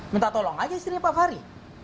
minta tolong aja istrinya pak fahri